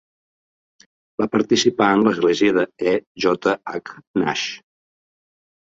Va participar en l'església de E. J. H. Nash.